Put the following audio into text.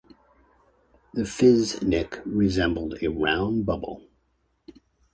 The Fizz-Nik resembled a round bubble.